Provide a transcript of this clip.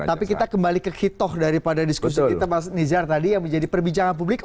tapi kita kembali ke hitoh daripada diskusi kita mas nizar tadi yang menjadi perbincangan publik